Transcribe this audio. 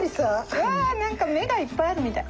うわ何か目がいっぱいあるみたい。